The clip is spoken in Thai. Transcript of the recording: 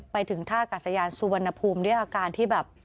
ไปถึงท่ากาศยานสุวรรณภูมิด้วยอาการที่แบบ